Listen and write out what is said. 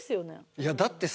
いやだってさ。